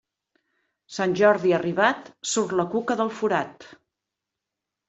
Sant Jordi arribat, surt la cuca del forat.